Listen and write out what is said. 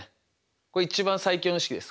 これ一番最強の式です。